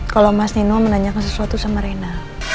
kalau mas nino menanyakan sesuatu sama rena